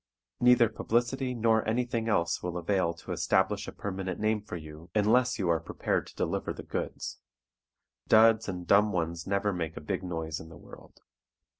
Neither publicity nor anything else will avail to establish a permanent name for you unless you are prepared to deliver the goods. Duds and dumb ones never make a big noise in the world.